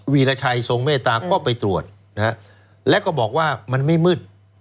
วีรชัยทรงเมตตาก็ไปตรวจนะฮะแล้วก็บอกว่ามันไม่มืด